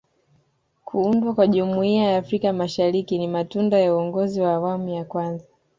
kuundwa kwa Jumuiya ya Afrika Mashariki ni matunda ya uongozi wa awamu ya kwanza